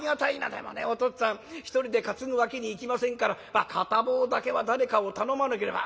でもねお父っつぁん１人で担ぐわけにいきませんから片棒だけは誰かを頼まなければ」。